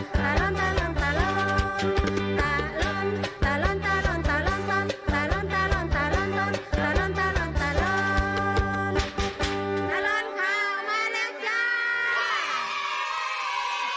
ตลอดข่าวมาแล้วจ้า